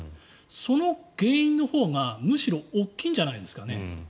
その原因のほうが、むしろ大きいんじゃないですかね。